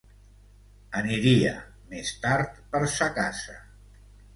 Aniria més tard per sa casa.